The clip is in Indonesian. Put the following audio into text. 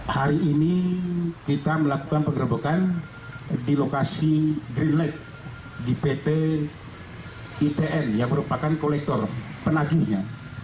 hari ini kita melakukan pengerebekan di lokasi green light di pt itn yang merupakan kolektor penagihnya